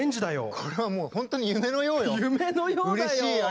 これは、もう本当に夢のようよ！